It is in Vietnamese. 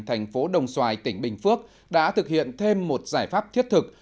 thành phố đồng xoài tỉnh bình phước đã thực hiện thêm một giải pháp thiết thực